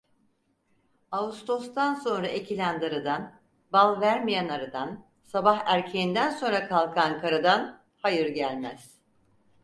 Ağustostan sonra ekilen darıdan, bal vermeyen arıdan, sabah erkeğinden sonra kalkan karıdan hayır gelmez!